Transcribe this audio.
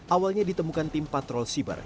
awalnya ditemukan tim patrol siber